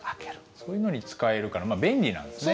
そういうのに使えるからまあ便利なんですね。